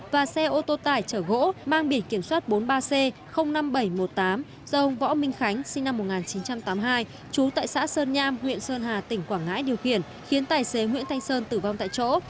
và xe ô tô tải chở gỗ mang biển kiểm soát bốn mươi ba c năm nghìn bảy trăm một mươi tám do ông võ minh khánh sinh năm một nghìn chín trăm tám mươi hai trú tại xã sơn nham huyện sơn hà tỉnh quảng ngãi điều khiển khiến tài xế nguyễn thanh sơn tử vong tại chỗ